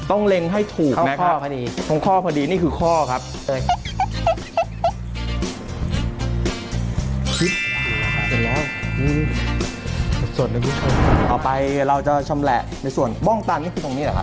ออกไปเราก็จะชำแหละในส่วนบ้องตันนี่คือตรงนี้หรือครับ